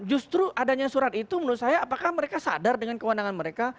justru adanya surat itu menurut saya apakah mereka sadar dengan kewenangan mereka